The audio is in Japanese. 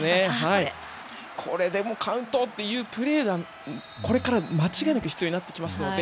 こういうプレーがこれから間違いなく必要になってきますので